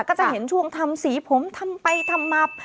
ก็จะเห็นช่วงทำสีผมทำไปทำมา